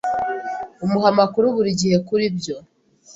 umuha amakuru buri gihe kuri byo